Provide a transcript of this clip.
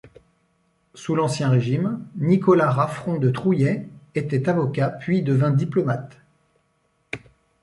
Sous l'Ancien Régime, Nicolas Raffron de Trouillet était avocat puis devint diplomate.